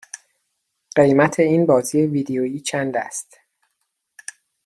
قیمت این بازی ویدیویی چند است؟